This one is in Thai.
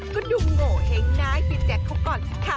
ก็ดูโง่เฮ้งน้าเฮียแจ๊กเขาก่อนสิค่ะ